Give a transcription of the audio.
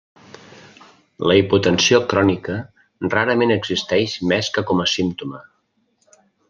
La hipotensió crònica rarament existeix més que com a símptoma.